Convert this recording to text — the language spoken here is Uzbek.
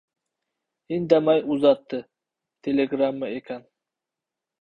Indamay uzatdi. Telegramma ekan.